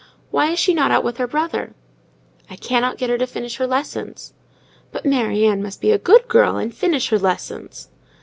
Why is she not out with her brother?" "I cannot get her to finish her lessons." "But Mary Ann must be a good girl, and finish her lessons."